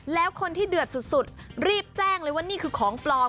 แล้วคนที่เดือดสุดรีบแจ้งเลยว่านี่คือของปลอม